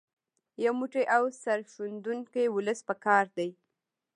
یو موټی او سرښندونکی ولس په کار دی.